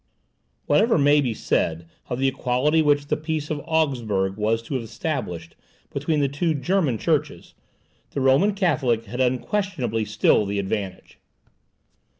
Whatever may be said of the equality which the peace of Augsburg was to have established between the two German churches, the Roman Catholic had unquestionably still the advantage.